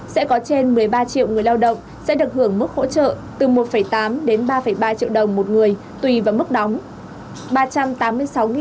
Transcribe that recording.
sẽ có trên một mươi ba triệu người lao động sẽ được hưởng mức hỗ trợ từ một tám đến ba ba triệu đồng một người tùy vào mức đóng